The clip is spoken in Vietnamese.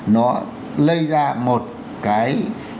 nó lây ra một cái